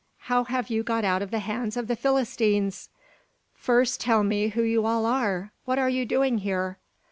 how have you got out of the hands of the Philistines?" "First tell me who you all are. What are you doing here?"